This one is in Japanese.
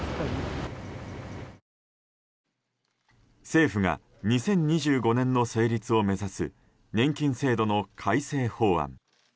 政府が２０２５年の成立を目指す、年金制度の改正法案。